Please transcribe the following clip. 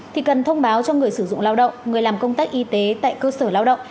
thì cần thông báo cho người sử dụng lao động người làm công tác y tế tại cơ sở lao động